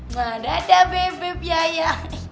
gak ada ada bebe biaya